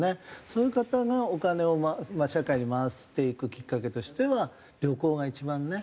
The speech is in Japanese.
そういう方がお金を社会に回していくきっかけとしては旅行が一番ね。